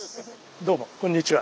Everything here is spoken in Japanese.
どうもこんにちは。